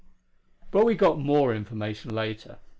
But we got more information later.